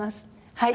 はい。